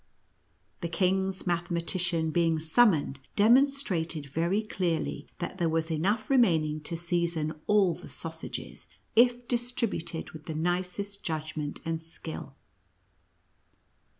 The king's mathematician being sum monecl, demonstrated very clearly that there was enough, remaining to season all the sau sages, if distributed with the nicest judgment and skill.